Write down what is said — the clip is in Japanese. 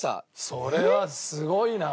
それはすごいな。